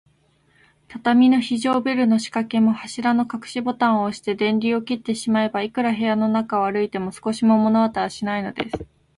畳の非常ベルのしかけも、柱のかくしボタンをおして、電流を切ってしまえば、いくら部屋の中を歩いても、少しも物音はしないのです。